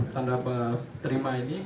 tanda terima ini